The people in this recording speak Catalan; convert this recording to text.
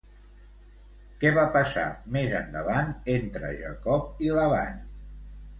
Què va passar més endavant entre Jacob i Laban?